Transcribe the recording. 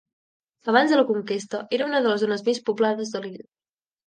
Abans de la conquesta era una de les zones més poblades de l'illa.